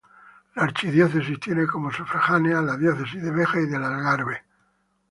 La archidiócesis tiene como sufragáneas las diócesis de Beja y del Algarve.